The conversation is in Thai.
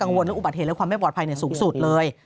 วนเรื่องอุบัติเหตุและความไม่ปลอดภัยสูงสุดเลย